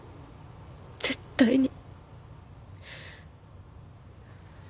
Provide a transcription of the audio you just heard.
絶対に。